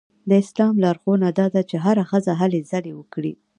د اسلام لارښوونه دا ده چې هره ښځه هلې ځلې وکړي.